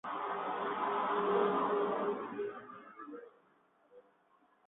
Él ha dicho que Mey es su modelo a seguir musicalmente.